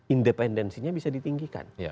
independensinya bisa ditinggikan